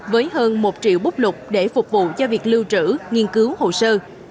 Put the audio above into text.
với hơn một triệu búp lục để phục vụ cho việc lưu trữ nghiên cứu hồ sơ